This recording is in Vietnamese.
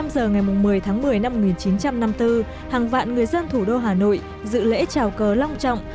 một mươi giờ ngày một mươi tháng một mươi năm một nghìn chín trăm năm mươi bốn hàng vạn người dân thủ đô hà nội dự lễ trào cờ long trọng